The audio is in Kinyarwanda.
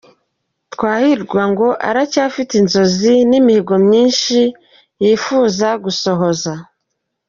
Turahirwa ngo aracyafite inzozi n’imihigo myinshi yihuza gusohoza.